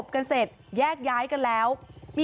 กลุ่มวัยรุ่นฝั่งพระแดง